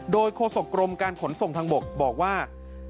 โดยโฆษกรมการขนส่งทางบกบอกว่า